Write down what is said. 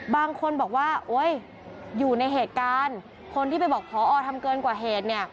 บางคนบอกว่าโอ๊ยอยู่ในเหตุการณ์คนที่ไปบอกพอทำเกินกว่าเหตุเนี่ย